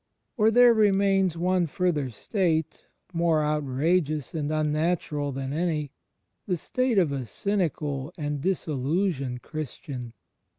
Or there remains one further state more outrageous and unnatural than any — the state of a cynical and "dis illusioned" Christian.